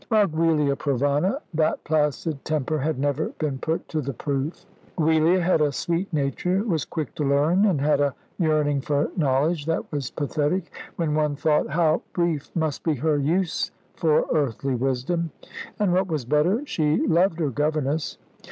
With Giulia Provana that placid temper had never been put to the proof. Giulia had a sweet nature, was quick to learn, and had a yearning for knowledge that was pathetic when one thought how brief must be her use for earthly wisdom; and, what was better, she loved her governess.